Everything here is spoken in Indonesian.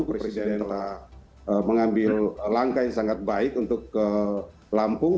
kita mengambil langkah yang sangat baik untuk ke lampung